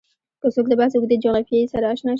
که څوک د بحث اوږدې جغرافیې سره اشنا شي